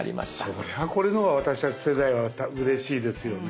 そりゃあこれの方が私たち世代はうれしいですよね。